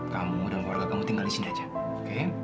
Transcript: kamu dan keluarga kamu tinggal di sini aja oke